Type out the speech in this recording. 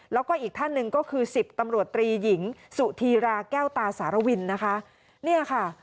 แล้วก็อีกท่านนึงก็คือ๑๐ตำรวจตรีหญิงสุธิราแก้วตาสารวินนะคะ